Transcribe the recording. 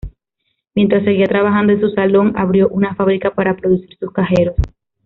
Mientras seguía trabajando en su saloon abrió una fábrica para producir sus cajeros.